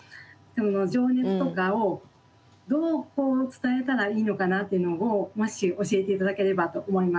情熱とかをどう伝えたらいいのかなっていうのをもし教えて頂ければと思います。